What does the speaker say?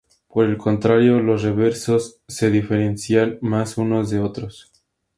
Por el contrario, los reversos se diferencian más unos de otros.